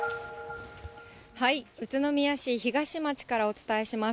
宇都宮市ひがし町からお伝えします。